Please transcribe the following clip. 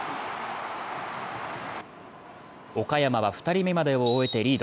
岡山は２人目までを終えてリード。